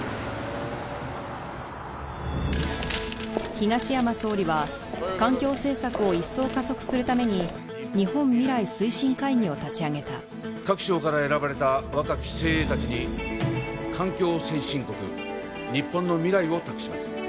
東山総理は環境政策を一層加速するために日本未来推進会議を立ち上げた各省から選ばれた若き精鋭達に環境先進国日本の未来を託します